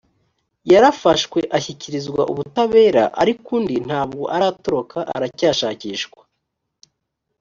yarafashwe ashyikirizwa ubutabera ariko undi nabwo aratoroka aracyashakishwa